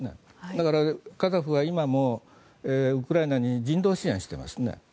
だから、カザフは今もウクライナに人道支援をしていますね。